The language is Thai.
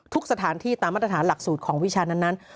ทุกสถานที่ตามมาตรฐานหลักสูตรของวิชานั้น